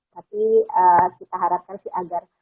tapi kita harapkan agar